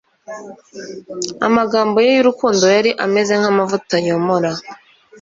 Amagambo ye y'urukundo yari ameze nk'amavuta yomora.